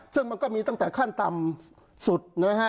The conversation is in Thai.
ซึ่งมันก็มีตั้งแต่ขั้นต่ำสุดนะฮะ